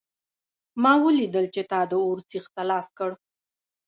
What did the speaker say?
ما ولیدل چې تا د اور سیخ ته لاس کړ